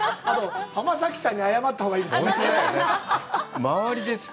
浜崎さんに謝ったほうがいいです。